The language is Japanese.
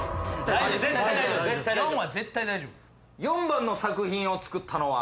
４番の作品を作ったのは。